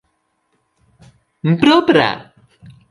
propra